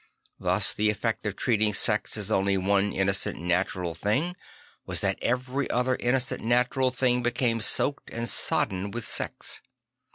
Thus the effect of treating sex as only one innocent natural thing was that every other innocent natural thing became soaked and sodden with sex.